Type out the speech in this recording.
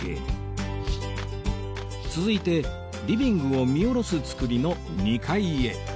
続いてリビングを見下ろす造りの２階へ